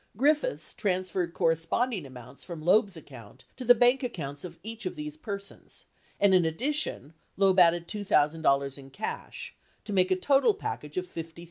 Griffiths transferred corresponding amounts from Loeb's account to the bank accounts of each of these persons and in addition, Loeb added $2,000 in cash to make a total package of $50,000.